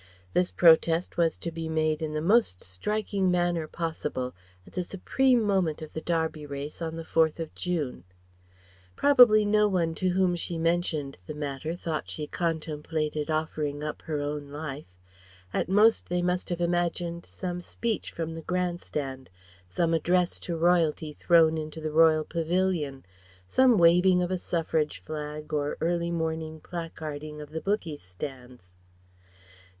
This protest was to be made in the most striking manner possible at the supreme moment of the Derby race on the 4th of June. Probably no one to whom she mentioned the matter thought she contemplated offering up her own life; at most they must have imagined some speech from the Grand Stand, some address to Royalty thrown into the Royal pavilion, some waving of a Suffrage Flag or early morning placarding of the bookies' stands.